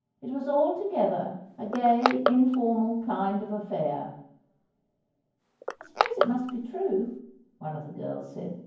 It was altogether a gay, informal kind of affair. "I suppose it must be true," one of the girls said.